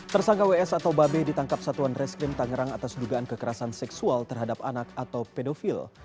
tersangka ws atau babe ditangkap satuan reskrim tangerang atas dugaan kekerasan seksual terhadap anak atau pedofil